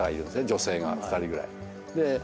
女性が２人ぐらい。